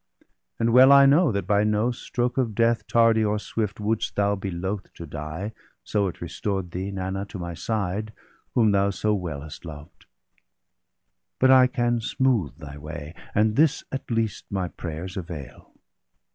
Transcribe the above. And well I know that by no stroke of death, Tardy or swift, wouldst thou be loath to die, So it restored thee, Nanna, to my side, Whom thou so well hast loved; but I can smoothe Thy way, and this, at least, my prayers avail.